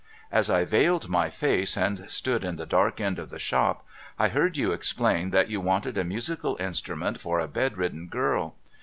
As I veiled my face and stood in the dark end of the shop, I heard you explain that you wanted a musical instrument for a bedridden girl.